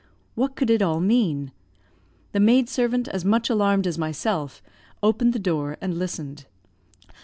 What could it all mean? The maid servant, as much alarmed as myself, opened the door and listened.